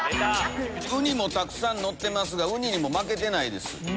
ウニもたくさんのってますがウニにも負けてないです。